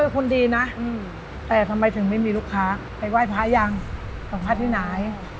คนดีนะแต่ทำไมถึงไม่มีลูกค้าไปไหว้พระยังของพระที่ไหน